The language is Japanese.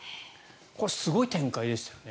これ、すごい展開でしたよね。